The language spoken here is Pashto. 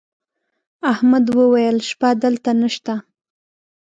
احمد وويل: شپه دلته نشته.